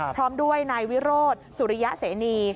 พร้อมด้วยนายวิโรธสุริยะเสนี